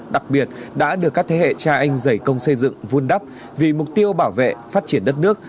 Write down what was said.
đặc biệt đã được các thế hệ cha anh giày công xây dựng vun đắp vì mục tiêu bảo vệ phát triển đất nước